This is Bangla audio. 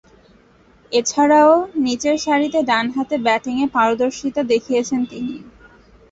এছাড়াও, নিচেরসারিতে ডানহাতে ব্যাটিংয়ে পারদর্শীতা দেখিয়েছেন তিনি।